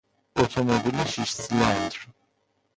اتومبیل شش سیلندر